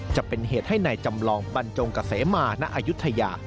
จะเป็นเหตุให้นายจำลองบรรจงกะเสมาณอายุทยา